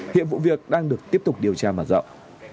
hiện vụ việc đang được tiếp tục điều tra mở rộng